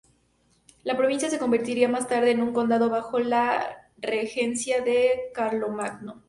La provincia se convertiría más tarde en un condado bajo la regencia de Carlomagno.